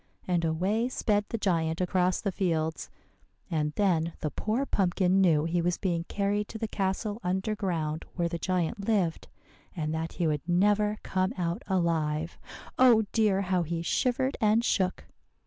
And away sped the giant across the fields; and then the poor pumpkin knew he was being carried to the castle under ground where the giant lived, and that he would never come out alive oh, dear, how he shivered and shook!